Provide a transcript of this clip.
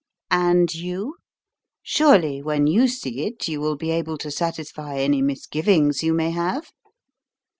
"And you? Surely when you see it you will be able to satisfy any misgivings you may have?"